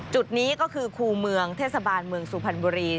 จุดนี้ก็คือคู่เมืองเทศบาลเมืองสุพรรณบุรี